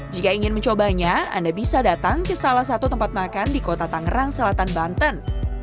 jika ingin mencobanya anda bisa datang ke salah satu tempat makan di kota tangerang selatan banten